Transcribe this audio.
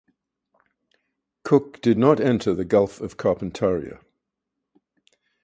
Cook did not enter the Gulf of Carpentaria.